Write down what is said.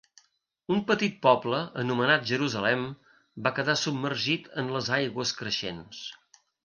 Un petit poble, anomenat Jerusalem, va quedar submergit en les aigües creixents.